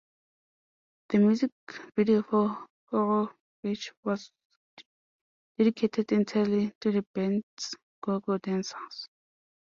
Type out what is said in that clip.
The music video for "Horrorbeach" was dedicated entirely to the band's go-go dancers.